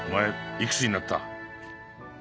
いくつになった？